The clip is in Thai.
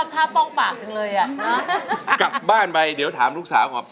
สวัสดีครับคุณหน่อย